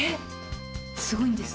すごいんです。